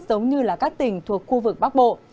giống như các tỉnh thuộc khu vực bắc bộ